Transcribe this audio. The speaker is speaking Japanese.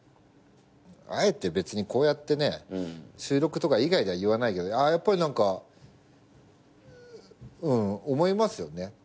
あえて別にこうやって収録とか以外では言わないけどやっぱり何か思いますよね。